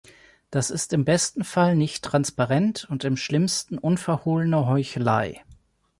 Das ist im besten Fall nicht transparent und im schlimmsten unverhohlene Heuchelei.